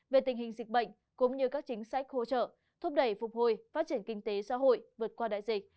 về tình hình dịch bệnh cũng như các chính sách hỗ trợ thúc đẩy phục hồi phát triển kinh tế xã hội vượt qua đại dịch